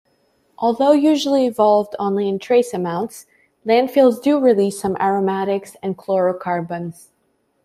Although usually evolved only in trace amounts, landfills do release some aromatics and chlorocarbons.